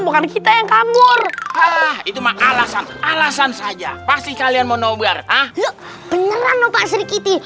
bukan kita yang kabur itu mah alasan alasan saja pasti kalian mau nobar ah beneran nota sedikiti